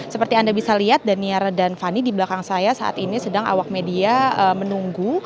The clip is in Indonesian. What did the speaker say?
seperti anda bisa lihat daniar dan fani di belakang saya saat ini sedang awak media menunggu